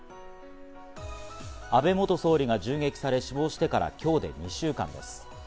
安倍元総理が銃撃され死亡してから今日で２週間です。